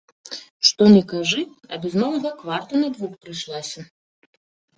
Што ні кажы, а без малага кварта на двух прыйшлася.